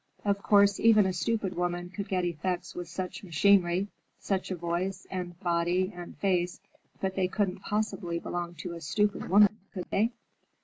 "Of course, even a stupid woman could get effects with such machinery: such a voice and body and face. But they couldn't possibly belong to a stupid woman, could they?"